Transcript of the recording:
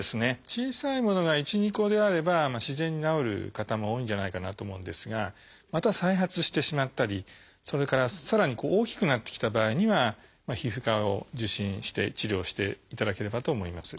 小さいものが１２個であれば自然に治る方も多いんじゃないかなと思うんですがまた再発してしまったりそれからさらに大きくなってきた場合には皮膚科を受診して治療していただければと思います。